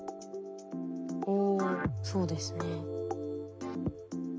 おそうですね。